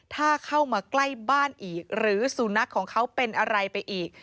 ถ้าเข้ามาใกล้บ้านอีกหรือสูนักของเขาเป็นอะไรไปอีก